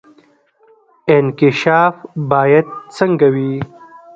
انکشاف باید څنګه وي؟